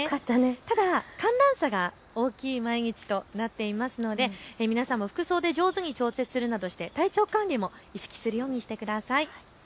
ただ寒暖差が大きい毎日となっていますので皆さんも服装で上手に調節するなどして体調管理も意識するようにしてください。